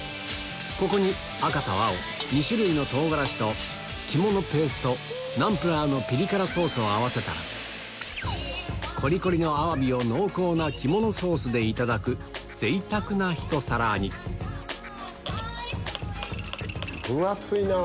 ここに赤と青２種類の唐辛子と肝のペーストナンプラーのピリ辛ソースを合わせたらコリコリのアワビを濃厚な肝のソースでいただく贅沢なひと皿に分厚いなぁ。